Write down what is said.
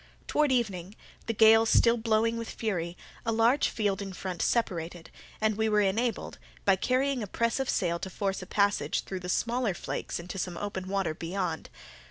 Toward evening, the gale still blowing with fury, a large field in front separated, and we were enabled, by carrying a press of sail to force a passage through the smaller flakes into some open water beyond.